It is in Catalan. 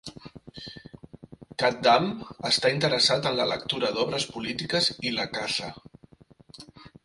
Khaddam està interessat en la lectura d'obres polítiques i la caça.